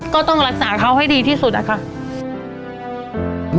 ก็ต้องรักษาเขาให้ดีที่สุดอะค่ะ